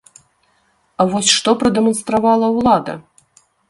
А вось што прадэманстравала ўлада?